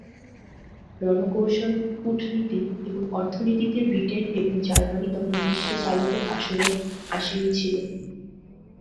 রণকৌশল, কূটনীতি এবং অর্থনীতিতে ব্রিটেন এবং জার্মানি তখন বিশ্বে চালকের আসনে আসীন ছিল।